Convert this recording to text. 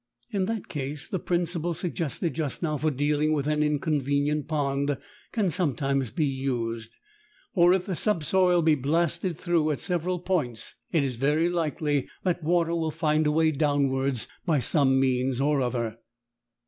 In that case the principle suggested just now for dealing with an inconvenient pond can sometimes be used, for if the subsoil be blasted through at several points it is very likely that water will find a way downwards by some means or other.